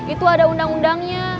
itu ada undang undangnya